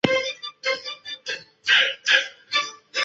在枯水季节人们可以很容易的从这一处步行或骑马涉水过河。